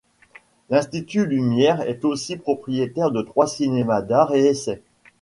L'Institut Lumière est aussi propriétaire de trois cinémas d'art et essai.